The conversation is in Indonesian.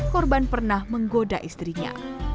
korban pernah menggoda istrinya